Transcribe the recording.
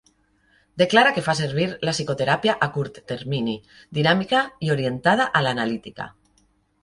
Declara que fa servir la psicoteràpia a curt termini, dinàmica i orientada a l'analítica.